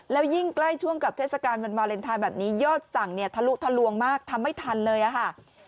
แล้วยิ่งใกล้ช่วงกับเทศกาลวันวาเลนไทยแบบนี้ยอดสั่งเนี่ยทะลุทะลวงมากทำไม่ทันเลยค่ะ